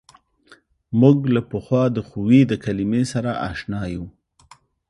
موږ له پخوا د قوې د کلمې سره اشنا یو.